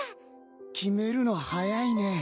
決めるの早いね。